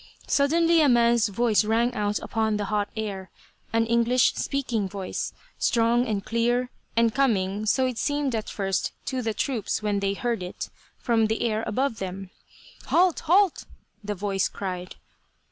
Suddenly a man's voice rang out upon the hot air; an English, speaking voice, strong and clear, and coming, so it seemed at first to the troops when they heard it, from the air above them: "Halt! Halt!" the voice cried.